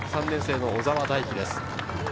３年生・小澤大輝です。